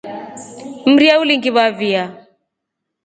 Mria ulingivavia.